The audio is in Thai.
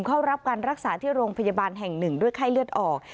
เข้ารับการรักษาที่โรงพยาบาลแห่งหนึ่งด้วยไข้เลือดออก